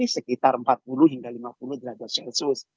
sekitar empat puluh hingga lima puluh derajat celcius